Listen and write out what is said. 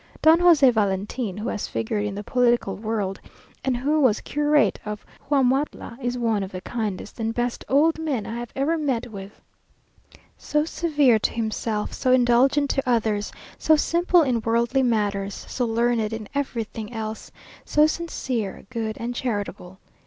Don José Valentin, who has figured in the political world, and who was curate of Huamautla, is one of the kindest and best old men I have ever met with; so severe to himself, so indulgent to others so simple in worldly matters, so learned in everything else so sincere, good, and charitable.